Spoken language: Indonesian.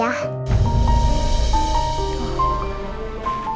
aku rawat sama acah